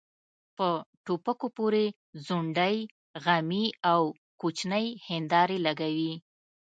په ټوپکو پورې ځونډۍ غمي او کوچنۍ هيندارې لګوي.